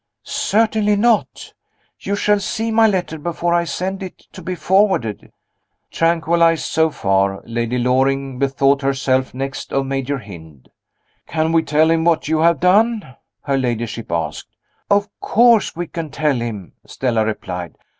"Certainly not. You shall see my letter before I send it to be forwarded." Tranquilized so far, Lady Loring bethought herself next of Major Hynd. "Can we tell him what you have done?" her ladyship asked. "Of course we can tell him," Stella replied.